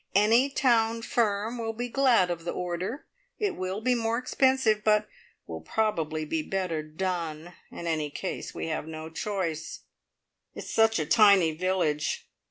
Any town firm will be glad of the order. It will be more expensive, but will probably be better done. In any case we have no choice." "It's such a tiny village.